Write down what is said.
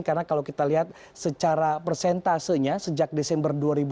karena kalau kita lihat secara persentasenya sejak desember dua ribu sembilan belas